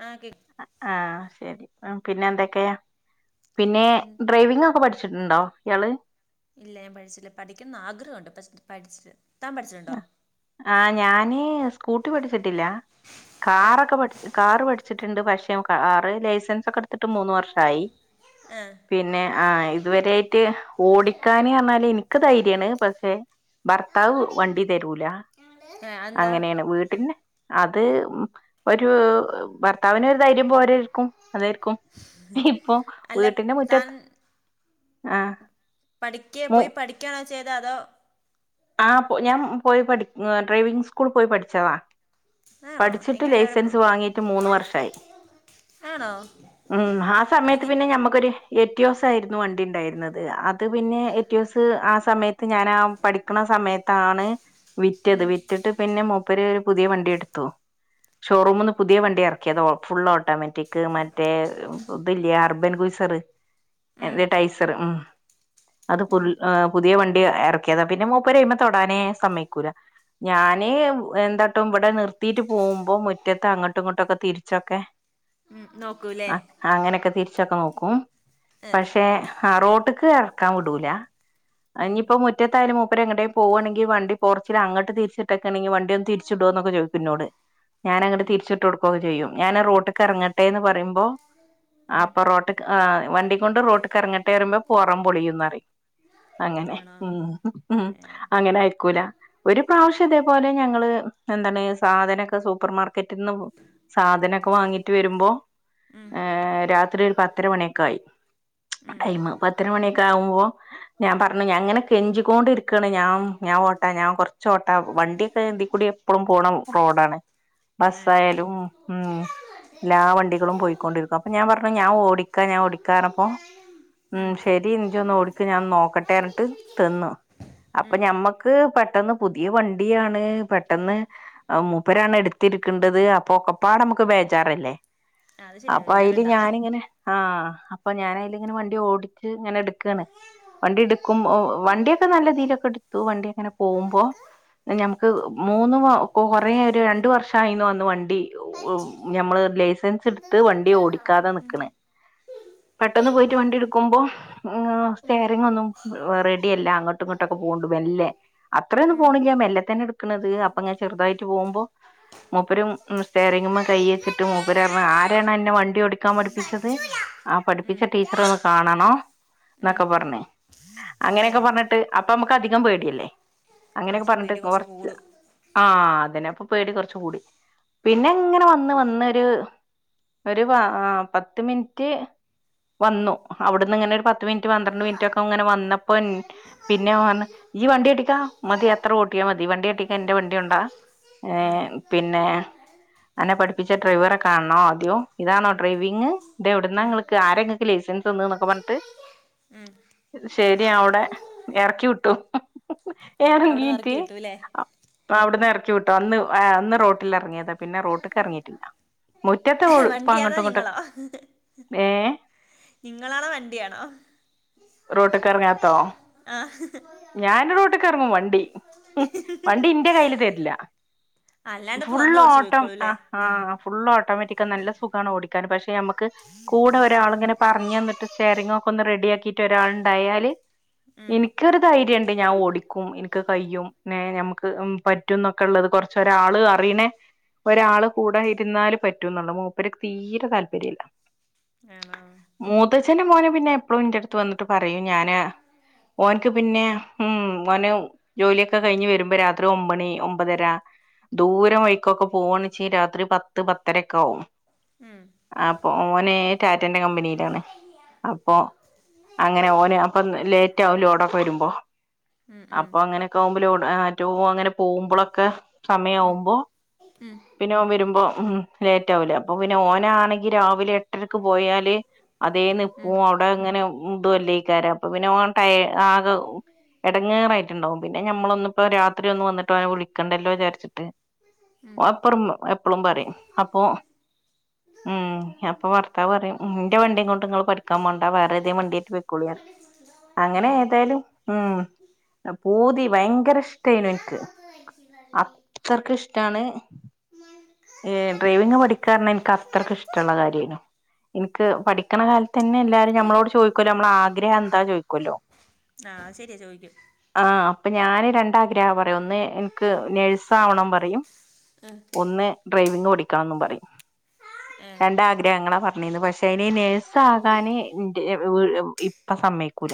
ആ കേ അ ആഹ ശരി പിന്നെ എന്തൊക്കെയ പിന്നെ ഡ്രൈവിംഗ് ഒക്കെ പഠിച്ച് ഠിച്ചിട്ടുണ്ടോ ഇയാള്? ഇല്ലേ ഞാൻ പഠിച്ചില്ല പഠിക്കന്ന് ആഗ്രഹുണ്ട് പഷേ പഠിച്ചില്ല താൻ പഠിച്ചിട്ടുണ്ടോ?.. ആ ഞാന് സ്കൂട്ടി പഠിച്ചിട്ടില്ല ഏ കാറൊക്കെ പഠ് കാറ് പഠിച് ട്ടിണ്ട് പക്ഷേ കാറ് ലൈസൻസ് ഒക്കെ എടുത്തിട്ട് മൂന്ന് വർഷായി- ആ പിന്നെ ആഹ ഇതുവരെ ആയിട്ട് ഓടിക്കാന് ന്നാല് എനിക്ക് ധൈര്യാണ് പക്ഷേ... ഭർത്താവു വണ്ടി തരൂല ആ അതെന്താ അങ്ങനെയാണ് വീട്ടിന് അത് ഒരു ഭർത്താവിന് ഒരു ധൈര്യം പോരേരിക്കും അതാര്ക്കും ഇപ്പൊ അല്ല വീട്ടിന്റെ മുറ്റത്ത് ആ പഠിക്ക് പോയി പഠിക്കാണോ ചെയ്തേ അതോ? ആ പോ ഞാൻ പോയി പഠി ഡ്രൈവിംഗ് സ്കൂളിൽ പോയി പഠിച്ചതാ ആണോ പഠിച്ചിട്ട് എങ്ങനെയുണ്ട് അവിടെ ലൈൻസ് വാങ്ങിയിട്ട് മൂന്നു വർഷായി ആണോ ഉം ആ സമയത്ത് എങ്ങ പിന്നെ ഞമ്മക്കൊരു എറ്റ്യൊസരുന്നു വണ്ടി ഉണ്ടായിരുന്നത് അത് പിന്നെ എറ്റ്യോസ് ആ സമയത്ത് ഞാൻ ആ പഠി [unintelligible] ത്താണ് വിറ്റത് ഉം വിറ്റിട്ട് പിന്നെ മൂപ്പര് ഒരു പുതിയ വണ്ടി എടുത്തു ഷോറൂം ന്ന് പുതിയ വണ്ടി എറക്കി ത് ഫുൾ ഓട്ടോമാറ്റിക് മറ്റേ ത് ല്ല്യെഅർബൻ ഉ സ് റ് ഉം എന്ത് ടൈസറ് ഉം. [unintelligible] അത് പുർൾ ഉം പുതിയ വണ്ടി എറക്കിയതാ പിന്നെ മൂപ്പര് അയ്മേ തൊടാനേ സമ്മയിക്കൂല ഞാന് എന്താട്ടും ഇവിടെ നിർത്തിയിട്ട് പോകുമ്പോ മുറ്റത്ത് അങ്ങോട്ടും ഇങ്ങോട്ടൊക്കെ തിരിച്ചൊക്കെ ഉം നോക്കൂല്ലേ ആ അങ്ങനൊക്കെ തിരിച്ചൊക്കെ നോക്കും ഏ പക്ഷെ ആ റോട്ട് റ്റക്ക് ഇറക്കാൻ വിടുല ഉം ആയിന് ഇപ്പ മുറ്റത്തായാലും മു അപ്പഴ് എങ്ങടെേ പോകവാണെങ്കിൽ വണ്ടി പോർച്ചിൽ അങ്ങട്ട് തിരിച്ചിട്ടക്കണെങ്കി വണ്ടി ഒന്ന് തിരിച്ച് ഇടുവോന്നൊക്കെ ചോയിക്കും എന്നോട് ഞാനങ്ങട്ട് ഉം തിരിച്ചിട്ട് കൊടുക്കുകക്കെ ചെയ്യും ഞാൻ റോട്ട്ക്ക് ഇറങ്ങട്ടെ എന്ന് പറയ്പോ ഉം അപ്പൊ റോട്ട്ക്ക് ആ വണ്ടി കൊണ്ട് റോട്ട്ക്ക് ഇറങ്ങട്ടെ റ്മ്പോം പൊറം പൊളിയുന്ന് പറയും അങ്ങനെ ആണോ ഉം ഏ [unintelligible] അങ്ങനെ കുല ഒരു പ്രാവശ്യം ഇതേപോലെ ഞങ്ങള് എന്താണ് സാധനൊക്കെ സൂപ്പർ മാർക്ക ക്കറ്റന്ന് സാധനൊക്കെ വാങ്ങിട്ട് വരുമ്പോ ഉം ഏ രാത്രി ഒരു പത്തര മണിയൊക്കായി ഉം ടൈം പത്തരമണിയൊക്കെ ആകുമ്പോ ഞാൻ പറഞ്ഞു അങ്ങനെ കെഞ്ചിക്കൊണ്ടിരിക്ക ക്ക്ണ് ഞാൻ ഞാൻ ഓട്ടാ ഞാൻ കൊറച്ച ഓട്ടാ വണ്ടിയൊക്കെ എന്തിക്കൂടി എപ്പോഴും പോണം റോഡാണ് ഏ ബസ്സായാലും ഉം എല്ലാ വണ്ടികളും പോയിക്കൊണ്ടിരിക്കും അപ്പൊ ഞാൻ പറഞ്ഞു ഞാൻ ഓടിക്കാ ഞാൻ ഓടിക്കാഞ്ഞപ്പോ ഉം ശരി നിഞ്ച് ഒന്ന് ഓടിക്ക ഞാൻ നോക്കട്ടെ? എന്നിട്ട് ത് ന്ന് അപ്പൊ ഉം ഞമ്മക്ക് പെട്ടെന്ന് പുതിയ വണ്ടിയാണ് പെട്ടെന്ന് മൂപ്പരാണ് എടുത്തിരിക്കണ്ടത് അപ്പൊ ഒക്കെപ്പാട് നമുക്ക് വെ ജാറല്ലേ അത് ശരിയാ അപ്പൊ അയില് ബേജാറുണ്ടാവും ഞാനിങ്ങനെ ആഹ് അപ്പ ഞാനയ്ലിങ്ങ്നെ വണ്ടി ഓടിച്ച് ഇങ്ങനെ ഇടുക്കാണ് വണ്ടി ഇട്ക്കും ഓ വണ്ടി ക്ക നല്ല രീതിക്കെ എടുത്തു വണ്ടി അങ്ങനെ പോകുമ്പോ ഞമക്ക് മൂന്ന് വ കൊറേ ഒരു രണ്ടു വർഷായിന്നോന്നു വണ്ടി ഉവ്വ് ഞമ്മള് ലൈസൻസ് ഇട്ത്ത് വണ്ടി ഓടിക്കാതെ നിക്ക്ണ്. ഉം പെട്ടെന്ന് പോയിട്ട് വണ്ടി ഇട്ക്കുമ്പോ സ്റ്റയറിങ് ഒന്നും റെഡിയല്ല അങ്ങ ട്ടുങ്ങട്ടൊക്കെ പോവ്ണ്ട് മെല്ലെ അത്രയൊന്നും ഉം പോണില്ല മെല്ലെ തന്നെ ഇട്ക്കണത് അപ്പൊങ്ങനെ ചെറുതായിട്ട് പോവുമ്പോ മൂപ്പരും സ്റ്റയറിങ്ങ്മേ കയ്യച്ച്ട്ട് മൂപ്പരറഞ്ഞു ആരാണ് അന്നെ വണ്ടി ഓടിക്കാൻ പഠിപ്പിച്ചത്? ആ ഉം പഠിപ്പിച്ച ടീച്ചറെയൊന്ന് കാണണോം ഉം ന്നൊക്കെ പറഞ്ഞ് ഏ അങ്ങനയൊക്കെ പറഞ്ഞിട്ട്, അപ്പൊ അമ്മക്ക് അധികം പേടിയല്ലേ അങ്ങനെയൊക്കെ ആശേ പറഞ്ഞിട്ട് പേടി കുറച്ച് കൊറച്ച് കൂടും ആ അതെ പിന്നെ അപ്പോ പേടി കൊറച്ച് കൂടി പിന്നെ ഇങ്ങനെ വന്ന് വന്നൊര് ഒരു വാ ആ പത്ത് മിനിറ്റ് വന്നു അവ്ട്ന്ന് ഇങ്ങനെ ഒരു പത്ത് മിനിറ്റ്, പന്ത്രണ്ട് മിനിറ്റ് ഒക്കെ ഇങ്ങനെ വന്നപ്പോ ൻ പിന്നെ [unintelligible] ഈ വണ്ടിയാട്ടിക്കാ മതി അത്ര ഓട്ടിയാ മതി വണ്ടിയാട്ടി എന്റെ വണ്ടി കൊണ്ട ഏ ഉം പിന്നെ, അന്നെ പഠിപ്പിച്ച ഡ്രൈവറെ കാണണോ ആദ്യേം ഇതാണോ ഡ്രൈവിങ് ഇതെവിടുന്നാ ഉം ഇങ്ങൾക്ക് ആരാ ഇങ്ങക്ക് ലൈസ് സൻസ് തന്ന്ന്നൊക്കെ പറഞ്ട്ട് ഉം ശരിയാ അവിടെ ഇറക്കി വിട്ടു അവിടെന്ന് ഏറങ്കീറ്റ് ഇറക്കി കിട്ടൂല്ലേ അ അവിടുന്ന് എറക്കി വിട്ടാ അന്ന് ആ അന്ന് റോട്ടിലെറങ്ങിയത പിന്നെ റോട്ട്ക്ക് എറങ്ങിറ്റില്ല മുറ്റത്ത് ഓ [unintelligible] ഇപ്പ വണ്ടി അതോ അങ്ങട്ടും ഇങ്ങട്ടൊ ഏ ഇങ്ങളാണോ വണ്ടിയാണോ റോട്ട്ക്ക് എറങ്ങാത്തോ? ആഹ് ഞാന് റോട്ട്ക്ക് എറങ്ങും വ ണ്ടി വണ്ടി ഇന്റെ കയ്യില് തരില്ല അല്ലാണ്ട് ഇപ്പ സ്വന്തം ഫുള്ള് ഓടിച്ചു ഓട്ടം ആ പോയിക്കോളൂല്ലേ ആ ഫുള് ഓട്ടോമാറ്റിക്കാ നല്ല സുഖാണ് ഓടി ക്കാനു പക്ഷെയമ്മക്ക് കൂടെ ഒരാള് ഇങ്ങനെ പറഞ്ഞു തന്നിട്ട് സ്റ്റയറിങ്ങോ ക്കൊന്ന് റെഡിയാക്കിറ്റ് ഒരാൾണ്ടായാല് ഉം ഇനിക്കൊരു ധൈര്യണ്ട് ഞാ ഓടി ക്കും ഇൻക്ക് കയ്യും ന്നെ ഞമ്മക്ക് പറ്റുന്നൊക്കെ ഉള്ളത് കൊറച്ചൊരാള് അറിയണേ ഒരാള് കൂടെ ഇരുന്നാല് പറ്റുന്നുള്ള് മൂപ്പര്ക്ക് തീരെ താല്പര്യല്ല ആണോ മൂത്തച്ഛന്റെ മോന് പിന്നെ എപ്പളും ഇന്റെട്ത്ത് വന്നിട്ട് പറയും ഞാന് ഓൻക്ക് പിന്നെ ഉം ഓന് ജോലിയൊക്കെ കഴിഞ്ഞ് വരുമ്പോ രാത്രി ഒമ്പണി, ഒമ്പതര ദൂരം വഴിക്കോക്കെ പോവണിച്ച് രാത്രി പത്ത്, പത്തരൊക്കെ ആവും ഉം അപ്പൊ ഓനെ റ്റാ റ്റന്റെ കമ്പനിലാണ് അപ്പൊ അങ്ങനെ ഓന് അപ്പൊ ലേറ്റ് ആവും ലോടൊക്കെ വരുമ്പോ ഉം ഉം അപ്പൊ അങ്ങനൊക്കെ ആവുമ്പ ലോ ആ [unintelligible] അങ്ങനെ പോവുമ്പളൊക്കെ ഉം സമയവുമ്പോ പിന്നെ ഓൻ വരുമ്പോ ഉം ലേറ്റാവൂലേ അപ്പൊ പിന്നെ ഓനാന്നെങ്കി രാവ് വിലെ എട്ടരക്ക് പോയാല് അതേ ഉം ഉം നിപ്പും അവിടെ ഇങ്ങനെ മ് തുഅല്ലേക്കാര പ്പപിന്നെ ഓ ട്ടയേ ആകെ എടങ്ങേറായിട്ട്ണ്ടാകും പിന്നെ ഞമ്മളൊന്ന്പ്പോ രാത്രി ഒന്ന് വന്ന് ട്ടോനെ വിളിക്കണ്ടല്ലോ വിചാരിച്ച്ട്ട് ഉം ഓളെപ്പറും എപ്പളും പറയും അപ്പൊ ഉം അപ്പൊ ഭർത്താവ് പറയും ന്റെ വണ്ടീം കൊണ്ട് ഇങ്ങള് പഠിക്കാൻ പോണ്ട വേറെ ഏദേ വണ്ടിയേറ്റ് പോയ്ക്കോളിയറയും അങ്ങനെ ഉം ഏതായാലും ഉം പൂതി ഭയങ്കര ഇഷ്ട്ടെയിനു ഇൻക്ക് അത്രക്ക് ഇഷ്ടാണ് ഡ്രൈവിംഗ് പഠിക്കാറിഞ്ഞ ഇൻക്ക് അത്രയ്ക്ക് ഇഷ്ട്ടള്ള കാര്യേനു ഇൻക്ക് പഠിക്ക്ണ കാല ത്തെന്നെ എല്ലാരും ഞമ്മളോട് ചോയിക്കോല്ലോ ഞമ്മള ആഗ്രഹം എന്താ ചോയിക്കോല്ലോ? പിന്നെ ചോയിക്കും അപ്പൊ ഞാന് രണ്ടാഗ്രാ പറയും ഒന്ന് ആഹ് എൻക്ക് ഡൈവി ഓടിക്കണംന്നും പറയും ഏഹ് രണ്ട ആഗ്രഹങ്ങളാ പറഞീന്ന് കനി നേഴ്സ ആകാന് [unintelligible] ഇപ്പൊ സമ്മയക്കൂല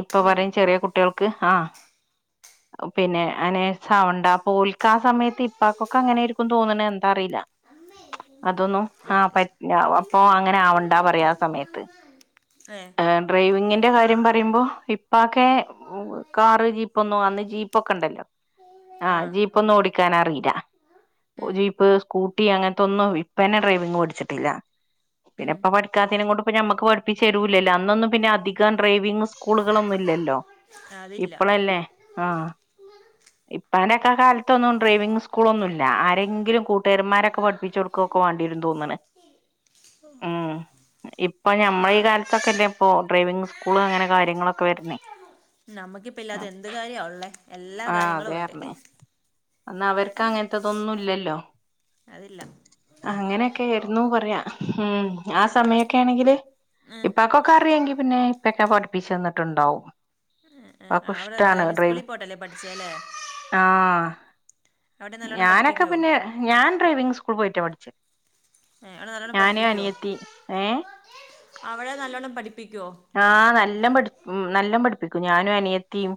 ഇപ്പൊ ഉം പറയും ചെറിയ കുട്ടികൾക്ക് ആ പിന്നെ അനേസാവണ്ട പോൽക്ക ആ സമയത്തി പ്പാക്കൊക്കെ അങ്ങനെ ആയിരിക്കും തോന്ന്ണ് എന്താ അറീല്ല അതൊന്നും ആ ആഹ് പറ്റ ശ അപ്പൊ അങ്ങനെ ആവണ്ടാ പറയാ ആ സമയത്ത് ഏഹ് ഏ ഡ്രൈവിങ്ങിന്റെ കാര്യം പറയുമ്പോ ഇപ്പാക്കെ ഉ കാറ് ജീപ്പൊന്നും അന്ന് ജീപ്പൊക്കെ ണ്ടല്ലോ ആ ആഹ് ജീപ്പൊന്ന് ഓടിക്കാൻ അറിയും ര ഉം ജീപ്പ് സ്കൂട്ടി അങ്ങനത്തെ ഒന്നും ഇപ്പന്നെ ഡ്രൈവിങ് മടിച്ചിട്ടില്ല പിന്നെ ഉം ഇപ്പ പഠിക്കാത്തനെ കൊണ്ട് ഇപ്പ ഞമ്മക്ക് പഠിപ്പിച്ചു താരൂലല്ലോ അന്നൊന്നും പിന്നെ അധികം ഡ്രൈവിംഗ സ്കൂളുകളൊന്നുംല്ലല്ലോ അതില്ല ഇപ്പഴല്ലേ ആ ഇപ്പനൊക്കെ കാലത്തൊന്നും ഡ്രൈവിങ് സ്കൂളൊന്നുമല്ല ആരെങ്കിലും കൂട്ടുകന്മാരൊക്കെ പഠിപ്പിച്ച് കൊടുക്കുകൊക്കെ വേണ്ടി വരും തോന്നണ് ഓ [inaudible] നമ്മള ഈ കാലത്തൊക്കെല്ലേ ഇപ്പൊ ഡ്രൈവിങ് സ്കൂള് അങ്ങനെ കാര്യങ്ങളൊക്കെ വരണേ നമ്മക്കിപ്പ ഇല്ലാത്ത എന്ത് കാര്യവള്ളേ എല്ലാ കാര്യങ്ങളും ഉണ്ട് എന്നാ അവർക്ക് അങ്ങനത്തതൊന്നും ഇല്ലല്ലോ അതില്ല അങ്ങനെയൊക്കൊയിരുന്നു പറയാ ഉം ആ അപ്പ സമയൊക്കൊണെങ്കില് ഏഹ് ഇപ്പൊക്കൊക്കെ അറിയെങ്കി പിന്നെ ഇപ്പൊക്കെ പഠിപ്പിച്ചുന്നിട്ടുണ്ടാവും ആ അവിടെ ഡൈവിംഗ് സ്കൂളിൽ പോട്ടല്ലേ പഠിച്ചല്ലേ ആഹ് ഞാനൊക്കെ പിന്നെ ഞാൻ ഡ്രൈവിങ് സ്കൂൾ പോയിട്ടാ പഠിച്ചേ ഏ അവടെ നല്ലോണ്ണം ഞാന് പഠിപ്പിക്കുവോ അനിയത്തി ഏഹ് അവടെ നല്ലോണ്ണം പഠി ആ നല്ലം പടി നല്ല പഠിപ്പിക്കും ഞാനും അനിയത്തിയും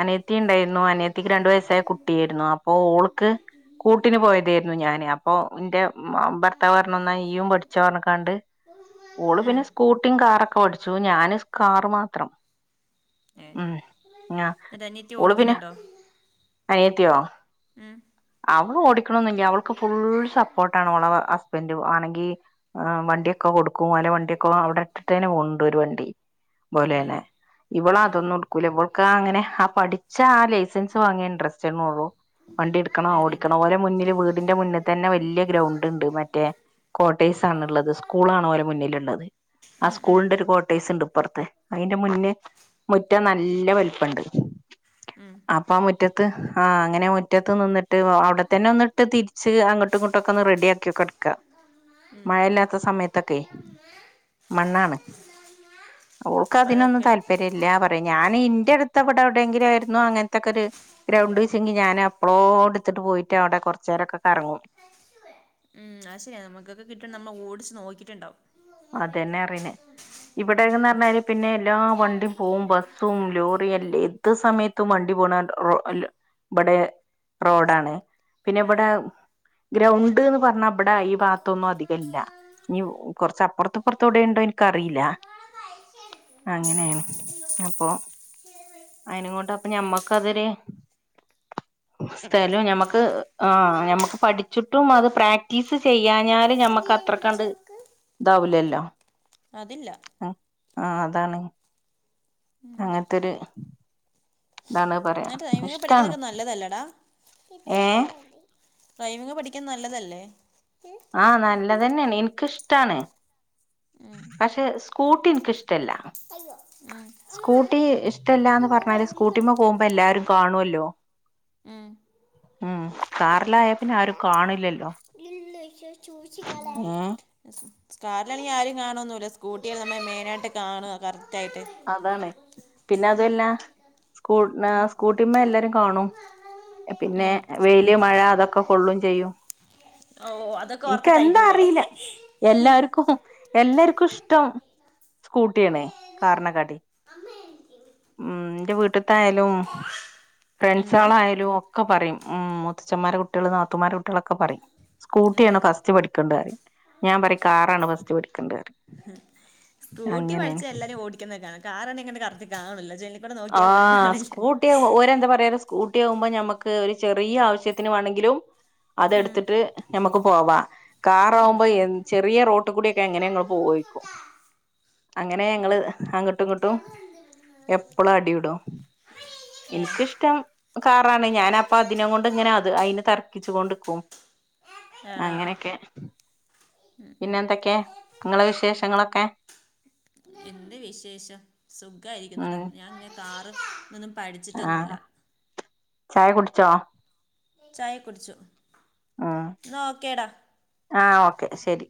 അനിയത്തി ണ്ടായിരുന്നു അനിയത്തിക്ക് രണ്ടു വയസ്സായ കുട്ടിയായിരുന്നു അപ്പൊ ഓൾക്ക് കൂട്ടിന് പോയതായിരുന്നു ഞാന് അപ്പൊ ഇന്റെ ഭർത്താവ് പറന്നുന്നാ ഈയും പഠിച്ച പറഞ്ഞക്കാണ്ട് ഊള് ഉം പിന്നെ സ്കൂട്ടിയും കാറൊക്കെ പഠിച്ച ച്ചു ഞൻ കാർ മാത്രം ഏ ഉം എന്നട്ടനത്തിയ ഓടിക്കുന്നുണ്ടോ അനത്തിയോ ഉം അവള് ഓടിക്കണെന്നില്ല അവൾക്ക് ഫുൾ സപ്പോർട്ട് ആണ് അവള ഹസ്ബൻഡ് ആണെങ്കിൽ വണ്ടിയൊക്കെ കൊടുക്കും അല്ല വണ്ടിയൊക്കെ അവിടെ ഇട്ടിട്ട് തന്നെ പോകണ്ട് ഒരു വണ്ടി ഏ പോലെതന്നെ ഏ ഏ ഇവളതൊന്നും ഉടുക്കൂല ഇവൾക്ക് അങ്ങനെ ആ പഠിച്ച ആലേ ൻസ് വാങ്ങിയ ഇന്റെറെസ്റ്റ്‌യുള്ളൂ വണ്ടി എടുക്കണോ വേറെയില്ല ഓടിക്കണം ഓരോ മുന്നില് വീടിന്റെ മുന്നിൽ തന്നെ വലിയ ഗ്രൗണ്ട്ടുണ്ട് മറ്റേ കോട്ടേസ് ആണ്ള്ളത് സ്കൂൾ ആണ ഓലെ മുന്നിലുള്ളത് ആ ഉം ഉം സ്കൂളിന്റെ ണ്ട്പ്പുറത്തെ അതിന്റെ മുന്നേ മുറ്റ നല്ല വലിപ്പണ്ട് ഉം അപ്പ മുറ്റത്ത് ആഹ് അങ്ങനെ മുറ്റത്ത് നിന്നിട്ട് അവിടെത്തന്നെ ഒന്നിട്ട് തിരിച്ച് അങ്ങോട്ടും ഇങ്ങോട്ടുംക്കെ ഒന്ന് റെഡി ആക്കിയൊക്കെടുക്ക ഉം മഴയില്ലാത്ത സമയത്തൊക്കെ മണ്ണാണ് ഓൾക്ക് അപ്പം അതിനൊന്നും അതൊക്കെ താല്പര്യല്ല പറയാ ഞാനൻ ഇന്റെ ത്തപ്പെടടെ എവിടെങ്കില ആയിരുന്നു അങ്ങനത്തെക്കെരു ഒരു ഗ്രൗണ്ട് വെച്ചങ്കി ഞൻ എപ്പോളൊ എടുത്തിട്ട് പോയിട്ട് അവിടെ കുറ അച്ചരൊക്കെ കറങ്ങും ഉം അത് ശരിയാ നമുക്കൊക്കെ കിട്ട നമ്മൾ ഓടിച്ച് നോക്കിട്ടുണ്ടാവും അതന്നെ അറിയനേ ഇവിടെന്ന് പറഞ്ഞാല് പിന്നെ എല്ലാ വണ്ടിയും പോവും ബസ്സും ലോറിയുംല്ല ഏത് സമയത്തും വണ്ടി പോണ റാ ഇവിടെ റോഡാണ് പിന്നെ ഏ ഇവിടെ ഗ്രൗണ്ട് എന്ന് പറഞ്ഞ അവിടെ ഈ ഭാത്തൊന്നും അധികം ഇല്ല ഇനി കുറച്ച് പുറത്ത്പ്പറത്തൂടെയ ഉണ്ടോ എനിക്കറിയില്ല ഉം അങ്ങനെയാണ് ഉം അപ്പൊ അയിനങ്ങോട്ട അപ്പ ഞമ്മക്ക അതൊര് [inaudible] സ്ഥലു ഞമ്മക്ക് ആ ഞമ്മക്ക് പഠിച്ച്ട്ടും അത് പ്രാക്ടീസ് ചെയ്യാഞ്ഞാല് ഞ മ കത്ര ക്കണ്ട് [inaudible] താവുലല്ലോ അതില്ല. ആ അതാണ്. അങ്ങത്തൊര് ന്നാ ഡ്രൈവിങ് പഠിക്കുന്നൊക്കെ നല്ലതല്ലെടാ ഏ ഡ്രൈവിങ് പഠിക്ക്ന്നെ നല്ലതല്ലേ? ആ നല്ലതെന്നെണ് ഇൻക്കിഷ്ടാണ്. ഉം പക്ഷെ സ്കൂട്ടി ഇൻക്ക്‌ഷ്ടല്ല ഉം സ്കൂട്ടി ഇഷ് ടല്ലാന്ന് പറണാല് സ്കൂട്ടിമ്മ പോമ്പോ എല്ലാരും കാണോല്ലോ ഉം ഉം കാറിലായപിന്നെ ആരു കാണില്ലല്ലോ. ഏഹ് സ് സ് കാറിലാണെ ആരും കാണൊന്നുല്ല സ്കൂട്ടി നമ്മെ മെയിനായിട്ട് കാണ്അ കാര് അതാണ് പിന്നെ അതുല്ല സ്കൂ ന്നാ ഉം സ്കൂട്ടിമ്മെ എല്ലാരും കാണും. പിന്നെ ഉം വെയില് മഴ അതൊക്കെ കൊള്ളും ചെയ്യും. ഓ അതൊക്കെ ൻക്ക് എന്താ ഓർത്തിട്ടായിരിക്കൂല്ലേ അറില്ല. എല്ലാർക്കും എല്ലർക്കും ഇഷ്ട. സ്കൂട്ടിയന്നെ കാറിനെക്കാട്ടി മ് ന്റെ വീട്ട് ന്തായാലും എങ്ങനെ ഫ്രണ്ട്സെളായാലും ഒക്കെ പറയും. മ് മുത്തച്ഛമാരെ കുട്ടിള് നാത്തൂമാരെ കു ട്ടിളൊക്കെ പറയും എന്ത് സ്കൂട്ട്യാണ് ഫസ്റ്റ് പഠിക്കണ്ടെറിം ഞാ പറിം കാറാണ് ഫസ്റ്റ് പടിക്കേണ്ടെറി അങ്ങനെണ്. ക്യുന്നെ കാണ കാറാണെ ങ്ങെനെ കറക്റ്റ് കാണുല്ല ജെനി ആഹ് സ്കൂട്ടി ഒര് ന്താ പറയല്? സ്കൂട്ടിയാഉമ്പോ ഞമ്മക്ക് ഒരു ചെറിയ ആവശ്യത്തിന് വേണങ്കിലും ഉം. അതെടുത്ത്ട്ട് ഞമ്മക്ക് പോവാ. ഉം, കാറവുമ്പോ ഉം, എന് ചെറിയ റോട്ട് കൂടിക്കെ എങ്ങനെ ങ്ങള് പോവയ്ക്കും അങ്ങനെ ങ്ങള് ഉം. അങ്ങട്ട് ങ്ങട്ടും എപ്പളും അടി ഇടും ഏ എനിക്കിഷ്ടം കറാണ് ഞാന അപ്പ അതിനെ കൊണ്ട് ഇങ്ങനെ അത് അയിന് തർക്കിച് കൊണ്ട് ക്കും. ആണോ അങ്ങനെക്കെ ഉം, ഉം. പിന്നെന്തൊക്കെ ങ്ങളെ വിശേഷങ്ങളൊക്കെ? എന്ത് വിശേഷം സുഖ യിരിക്ക്ന്നെടാ. ഉം ഞാൻ കാറ് നിന്നും പഠിച്ചിട്ടൊന്നുല്ല. ആഹ് ചായ കുടിച്ചോ? ചായ കുടിച്ചു. ആ എന്നാ ഓക്കേടാ ആ ഓക്കെ ശെരി.